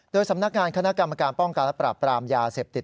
โดยสำนักงานคณะกรรมการป้องกันและปราบปรามยาเสพติด